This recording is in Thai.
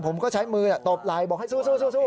ผมก็ใช้มือตบไหล่บอกให้สู้